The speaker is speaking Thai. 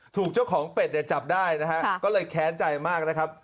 ถูกเจ้าของเป็ดเนี่ยจับได้นะฮะก็เลยแค้นใจมากนะครับ